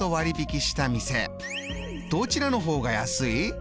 どちらの方が安い？